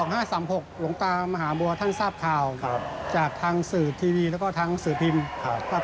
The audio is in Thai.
หลวงตามหาบัวท่านทราบข่าวจากทางสื่อทีวีแล้วก็ทางสื่อพิมพ์